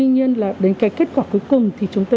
tuy nhiên là đến cái kết quả cuối cùng thì chúng ta